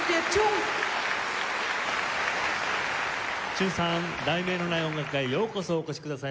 チュンさん『題名のない音楽会』へようこそお越しくださいました。